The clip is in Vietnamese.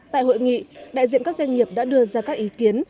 tại hội nghị đại diện các doanh nghiệp đã đưa ra các ý kiến